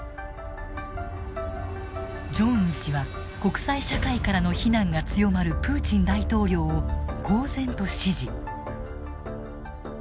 ジョンウン氏は国際社会からの非難が強まるプーチン大統領を公然と支持。